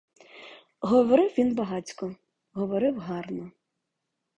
Говорив він багацько, говорив гарно.